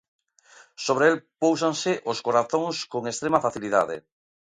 Sobre el póusanse os corazóns con extrema facilidade.